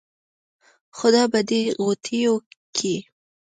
خدا به دې ِغوټېو کې